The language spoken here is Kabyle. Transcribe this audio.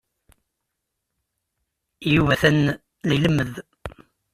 Yuba atan la ilemmed.